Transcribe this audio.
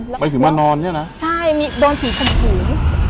หมายถึงว่านอนเนี่ยนะใช่มีโดนผีข่มขืน